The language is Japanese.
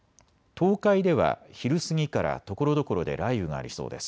東海では昼過ぎからところどころで雷雨がありそうです。